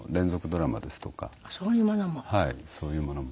そういうものも？